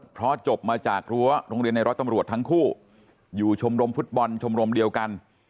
เพราะจบมาจากรั้วโรงเรียนในร้อยตำรวจทั้งคู่อยู่ชมรมฟุตบอลชมรมเดียวกัน